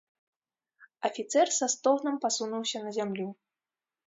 Афіцэр са стогнам пасунуўся на зямлю.